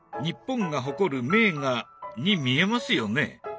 日本が誇る名画に見えますよね？